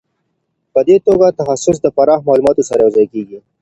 په دې توګه تخصص د پراخ معلوماتو سره یو ځای کیږي.